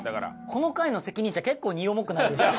この回の責任者結構荷重くないですか？